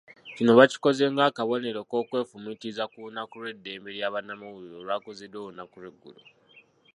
Kino bakikoze ng'akabonero k'okwefumiitiriza ku lunaku lw'eddembe lya bannamawulire olwakuziddwa olunaku lw'eggulo.